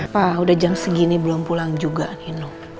pak udah jam segini belum pulang juga ino